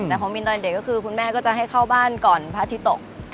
แต่ของมินตอนเด็กก็คือคุณแม่ก็จะให้เข้าบ้านก่อนพระอาทิตย์ตก